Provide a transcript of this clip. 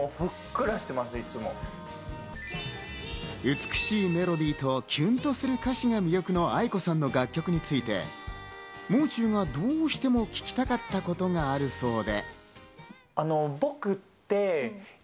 美しいメロディーとキュンとする歌詞が魅力のａｉｋｏさんの楽曲について、もう中がどうしても聞きたかったことがあるそうで。